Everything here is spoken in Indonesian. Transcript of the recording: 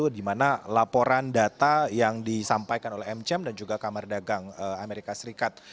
di mana laporan data yang disampaikan oleh mcm dan juga kamar dagang amerika serikat